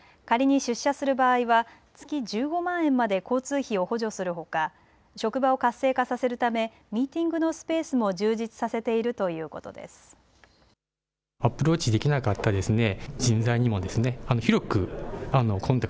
仮に出社する場合は月１５万円まで交通費を補助するほか職場を活性化させるためミーティングのスペースも充実させているということです。